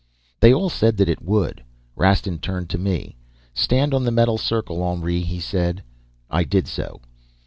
"They all said that it would. Rastin turned to me. 'Stand on the metal circle, Henri,' he said. I did so.